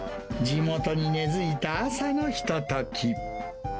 地元に根付いた朝のひととき。